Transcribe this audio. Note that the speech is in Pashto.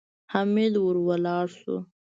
حميد ورو ولاړ شو.